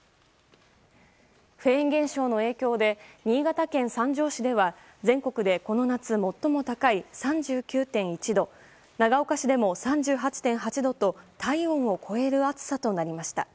フェーン現象の影響で新潟県三条市では全国でこの夏最も高い３９．１度長岡市でも３８．８度と体温を超える暑さとなりました。